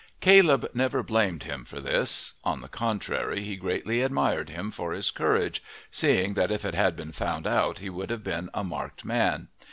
Caleb never blamed him for this; on the contrary, he greatly admired him for his courage, seeing that if it had been found out he would have been a marked man.